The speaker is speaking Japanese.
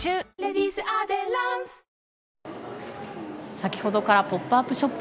先ほどからポップアップショップ